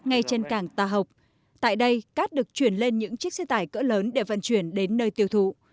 ngay trên cảng ta học tại đây cát được chuyển lên những chiếc xe tải cỡ lớn để vận chuyển đến nơi tiêu thụ